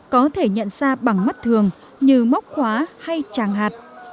có thể nhận ra bằng mắt thường như móc khóa hay tràng hạt